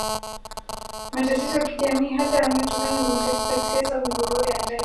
matatizo ya kijamii hasa yatokanayo na matatizo ya kisiasa au migogoro ya ndani ya